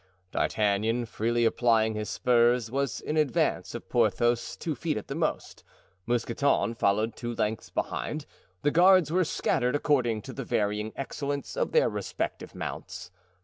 D'Artagnan, freely applying his spurs, was in advance of Porthos two feet at the most; Mousqueton followed two lengths behind; the guards were scattered according to the varying excellence of their respective mounts.